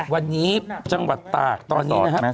วันนี้จังหวัดตากตอนนี้นะครับ